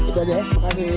f pertimbangan kerja akademi